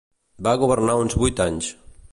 Va governar uns vuit anys.